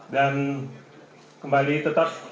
dan kembali tetap